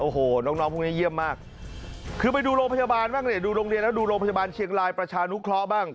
โอ้โหน้องน้องพวกนี้เยี่ยมมากคือไปดูโรงพยาบาลบ้างเนี่ยดูโรงเรียนแล้วดูโรงพยาบาลเชียงรายประชานุเคราะห์บ้าง